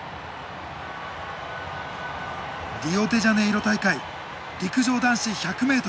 リオデジャネイロ大会陸上男子１００ｍ。